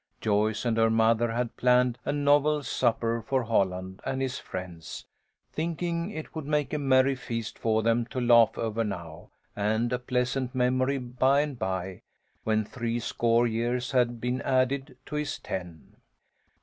Joyce and her mother had planned a novel supper for Holland and his friends, thinking it would make a merry feast for them to laugh over now, and a pleasant memory by and by, when three score years had been added to his ten.